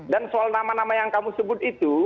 dan soal nama nama yang kamu sebut itu